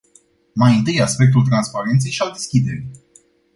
Mai întâi, aspectul transparenței și al deschiderii.